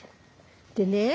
でね